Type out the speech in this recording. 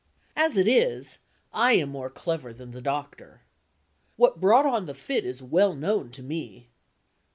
As it is, I am more clever than the doctor. What brought the fit on is well known to me.